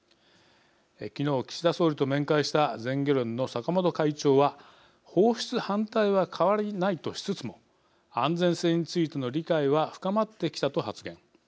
昨日、岸田総理と面会した全漁連の坂本会長は放出反対は変わりないとしつつも「安全性についての理解は深まってきた」と発言。